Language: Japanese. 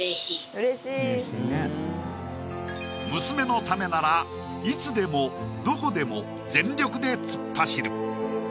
娘のためならいつでもどこでも全力で突っ走る！